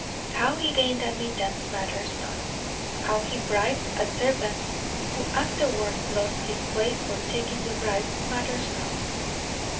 How he gained admittance matters not; how he bribed a servant, who afterward lost his place for taking the bribe, matters not.